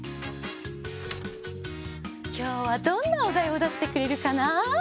きょうはどんなおだいをだしてくれるかな？